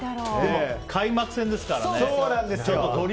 でも開幕戦ですからね。